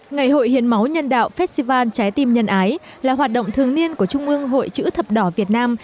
ngày hội hiến máu nhân đạo festival trái tim nhân ái là hoạt động thường niên của trung ương hội chữ thập đỏ việt nam